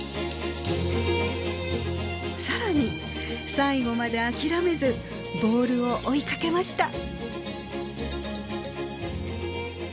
更に最後まで諦めずボールを追いかけました。